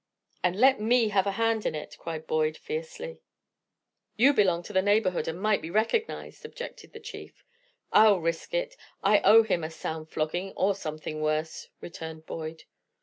"And let me have a hand in it!" cried Boyd, fiercely. "You belong to the neighborhood and might be recognized," objected the chief. "I'll risk it. I owe him a sound flogging, or something worse," returned Boyd.